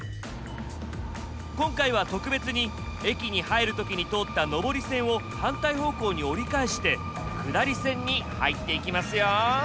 今回は特別に駅に入る時に通った上り線を反対方向に折り返して下り線に入っていきますよ！